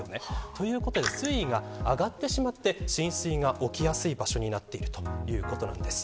ということで水位が上がってしまって浸水が起きやすい場所になっているということです。